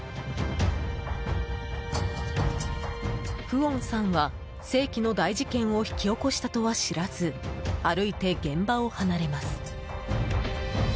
フオンさんは、世紀の大事件を引き起こしたとは知らず歩いて現場を離れます。